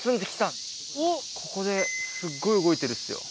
ここですっごい動いてるんですよ。